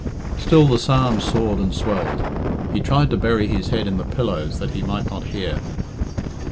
Still the psalm soared and swelled. He tried to bury his head in the pillows that he might not hear.